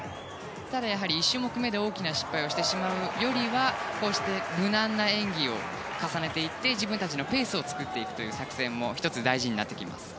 １種目めで大きな失敗をしてしまうよりはこうして無難な演技を重ねていって自分たちのペースを作っていくという作戦も１つ大事になってきます。